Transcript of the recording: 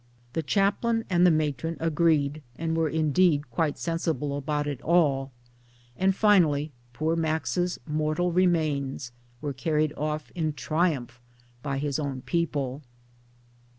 The Chaplain and the matron agreed, and were indeed MILLTHGKPIANA quite sensible about it all and finally poor Max's mortal remains were carried off. in triumph by his own people.